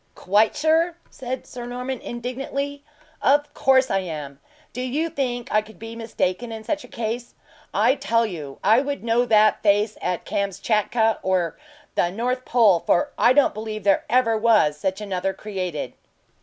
"Quite sure?" said Sir Norman, indignantly. "Of course I am! Do you think I could be mistaken is such a case? I tell you I would know that face at Kamschatka or, the North Pole; for I don't believe there ever was such another created."